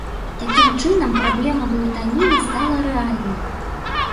Такім чынам, праблема блытаніны стала рэальнай.